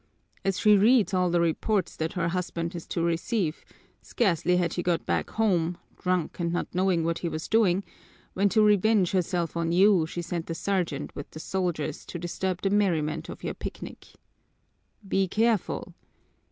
As she reads all the reports that her husband is to receive, scarcely had he got back home, drunk and not knowing what he was doing, when to revenge herself on you she sent the sergeant with the soldiers to disturb the merriment of your picnic. Be careful!